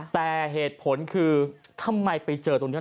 แต่เหตุผลคือทำไมไปเจอตรงนี้